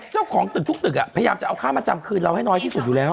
เจ้าของตึกทุกตึกพยายามจะเอาค่ามาจำคืนเราให้น้อยที่สุดอยู่แล้ว